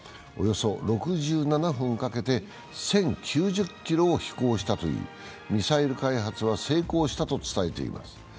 およそ６７分かけて、１０９０ｋｍを飛行したというミサイル開発は成功したと伝えています。